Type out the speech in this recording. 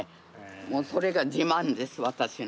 もうそれが自慢です私の。